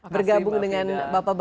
bergabung dengan bapak bapak ini ya